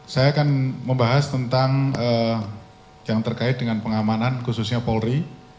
saya akan membahas tentang yang terkait dengan pengamanan khususnya polri